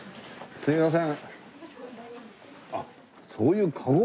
すいません。